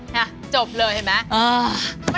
น่ะจบเลยเห็นไม่